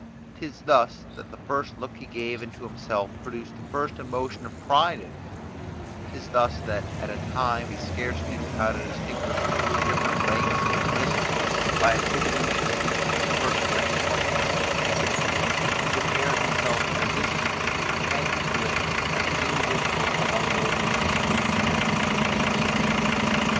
'Tis thus, that the first look he gave into himself produced the first emotion of pride in him; 'tis thus that, at a time he scarce knew how to distinguish between the different ranks of existence, by attributing to his species the first rank among animals in general, he prepared himself at a distance to pretend to it as an individual among those of his own species in particular.